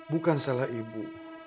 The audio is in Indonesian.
bukan salah ibu